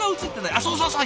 あっそうそうそう！